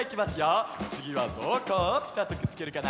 つぎはどこをぴたっとくっつけるかな？